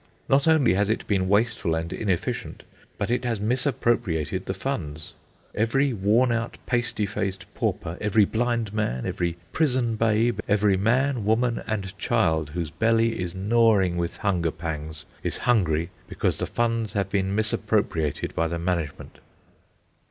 Not only has it been wasteful and inefficient, but it has misappropriated the funds. Every worn out, pasty faced pauper, every blind man, every prison babe, every man, woman, and child whose belly is gnawing with hunger pangs, is hungry because the funds have been misappropriated by the management.